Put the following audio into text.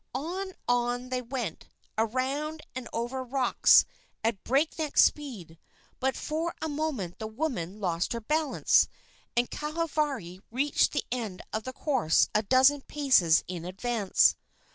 On, on they went, around and over rocks, at break neck speed; but for a moment the woman lost her balance, and Kahavari reached the end of the course a dozen paces in advance.